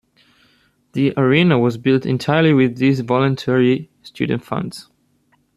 The arena was built entirely with these voluntary student funds.